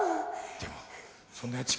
でもそんなやつしか。